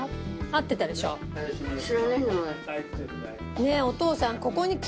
ねぇお父さん。